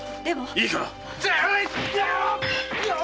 いいから！